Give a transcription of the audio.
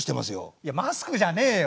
いやマスクじゃねえよ。